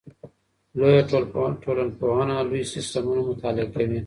لویه ټولنپوهنه لوی سیستمونه مطالعه کوي.